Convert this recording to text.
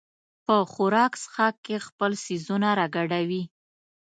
په خوراک څښاک کې خپل څیزونه راګډوي.